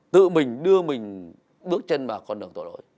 tự mình đưa mình bước chân vào con đường tổ lỗi